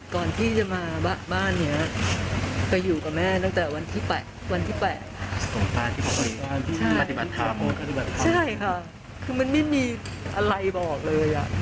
ก่อนที่จะมาบ้านนี้ไปอยู่กับแม่ตั้งแต่วันที่๘วันที่๘ค่ะคือมันไม่มีอะไรบอกเลยอ่ะ